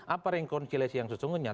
apa rekonsiliasi yang sesungguhnya